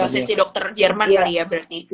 asosiasi dokter jerman kali ya berarti